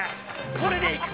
これでいくと？